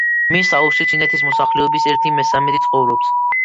მის აუზში ჩინეთის მოსახლეობის ერთი მესამედი ცხოვრობს.